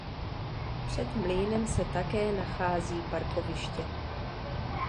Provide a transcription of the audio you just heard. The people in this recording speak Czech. Před mlýnem se také nachází parkoviště.